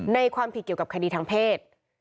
ความผิดเกี่ยวกับคดีทางเพศ